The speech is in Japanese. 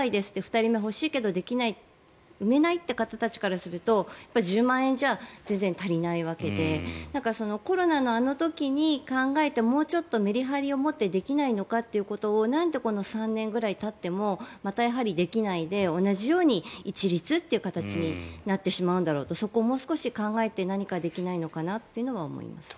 ２人目欲しいけどできない産めない方たちからすると１０万円じゃ全然足りないわけでコロナのあの時に考えてもうちょっとメリハリを持ってできないのかということをなんでこの３年ぐらいたってもまたやはりできないで同じように一律という形になってしまうんだろうとそこをもう少し考えて何かできないのかなと思います。